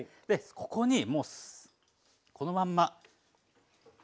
ここにもうこのまんましょうが。